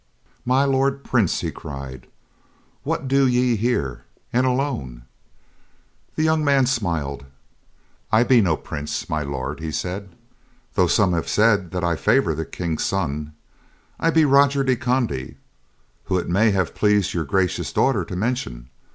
"My Lord Prince," he cried. "What do ye here, and alone?" The young man smiled. "I be no prince, My Lord," he said, "though some have said that I favor the King's son. I be Roger de Conde, whom it may have pleased your gracious daughter to mention.